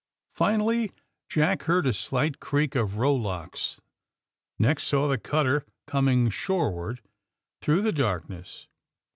Finalh^ Jack heard, a slight creak of rowlocks, next saw the cutter coming shoreward through the darkness.